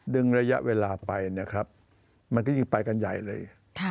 ระยะเวลาไปนะครับมันก็ยิ่งไปกันใหญ่เลย